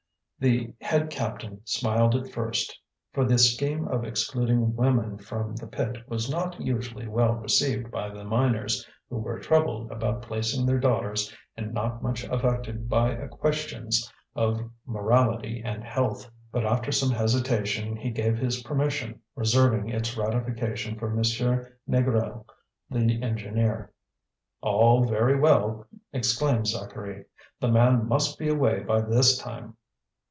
The head captain smiled at first; for the scheme of excluding women from the pit was not usually well received by the miners, who were troubled about placing their daughters, and not much affected by questions of morality and health. But after some hesitation he gave his permission, reserving its ratification for Monsieur Négrel, the engineer. "All very well!" exclaimed Zacharie; "the man must be away by this time."